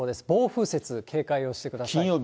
暴風雪、警戒をしてください。